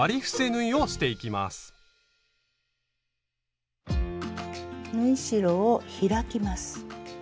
縫い代を開きます。